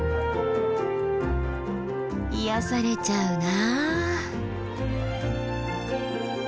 癒やされちゃうなあ。